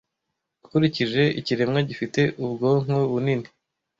Ukurikije ikiremwa gifite ubwonko bunini